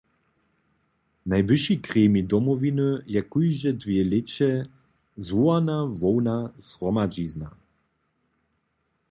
Najwyši gremij Domowiny je kóžde dwě lěće zwołana hłowna zhromadźizna.